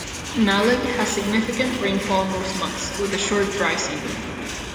Mallig has significant rainfall most months, with a short dry season.